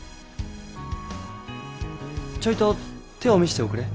ちょいと手を見せておくれ。